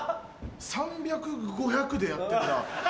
３００５００でやってんな。